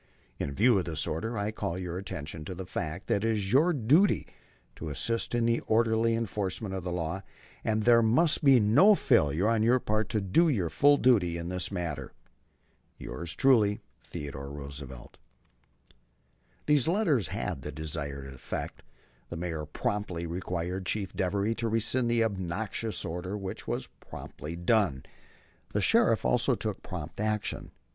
In view of this order I call your attention to the fact that it is your duty to assist in the orderly enforcement of the law, and there must be no failure on your part to do your full duty in the matter. Yours truly, THEODORE ROOSEVELT. These letters had the desired effect. The Mayor promptly required Chief Devery to rescind the obnoxious order, which was as promptly done. The Sheriff also took prompt action.